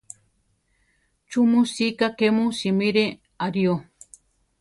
¿Chú mu sika ké mu simire aʼrío?